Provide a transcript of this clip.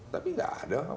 tapi enggak ada